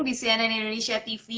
di cnn indonesia tv